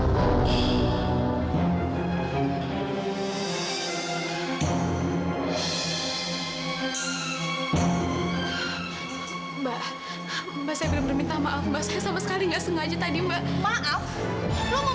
bapak mbak masajid minta maaf bisa masak lihat saya tadi mbak mau sbs